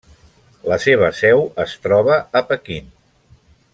La seva seu es troba a Pequín.